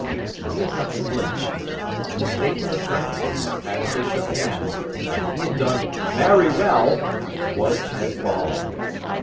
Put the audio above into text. But he had not flinched, and the statement of Francis, as they shook hands, that he had "done varry well," was as balm.